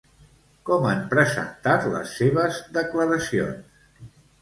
Com han presentat les seves declaracions?